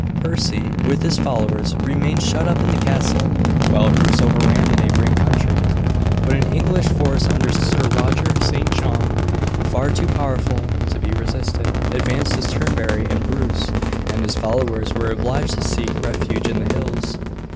Percy, with his followers, remained shut up in the castle, while Bruce overran the neighbouring country; but an English force under Sir Roger St. John, far too powerful to be resisted, advanced to Turnberry, and Bruce and his followers were obliged to seek refuge in the hills.